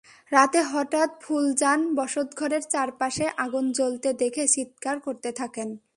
রাতে হঠাৎ ফুলজান বসতঘরের চারপাশে আগুন জ্বলতে দেখে চিৎকার করতে থাকেন।